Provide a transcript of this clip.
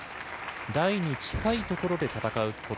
台に近いところで戦うこと。